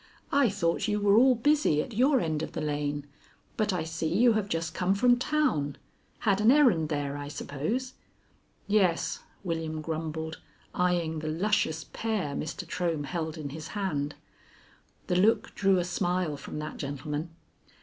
"I thought you were all busy at your end of the lane; but I see you have just come from town. Had an errand there, I suppose?" "Yes," William grumbled, eying the luscious pear Mr. Trohm held in his hand. The look drew a smile from that gentleman.